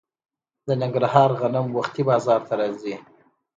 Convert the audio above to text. د ننګرهار غنم وختي بازار ته راځي.